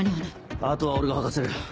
あとは俺が吐かせる。